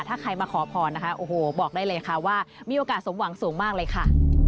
ถ้าใครมาขอพรนะคะโอ้โหบอกได้เลยค่ะว่ามีโอกาสสมหวังสูงมากเลยค่ะ